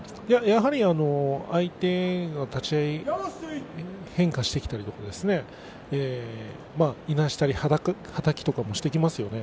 やはり相手が立ち合い変化してきたりとかいなしたり、はたきとかしていきますよね。